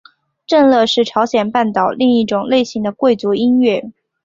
正乐是朝鲜半岛另一种类型的贵族音乐。